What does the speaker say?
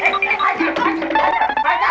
eh mau kemana